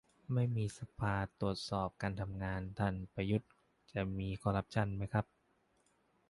ไม่มีสภาตรวจสอบการทำงานท่านประยุทธ์ จะมีคอรัปชั่นไหมครับ